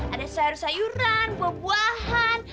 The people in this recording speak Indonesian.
ada sayur sayuran buah buahan